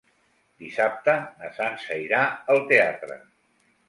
Dissabte na Sança irà al teatre.